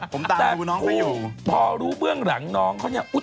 ผมตามรู้น้องไปอยู่แต่พอรู้เบื้องหลังน้องเขาเนี่ย